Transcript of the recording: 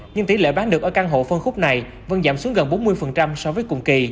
nhưng tỷ lệ bán được ở căn hộ phân khúc này vẫn giảm xuống gần bốn mươi so với cùng kỳ